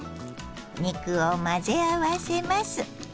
肉を混ぜ合わせます。